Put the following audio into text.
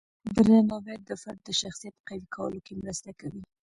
درناوی د فرد د شخصیت قوی کولو کې مرسته کوي.